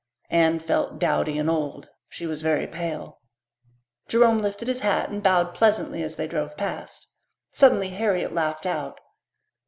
Anne felt dowdy and old; she was very pale. Jerome lifted his hat and bowed pleasantly as they drove past. Suddenly Harriet laughed out.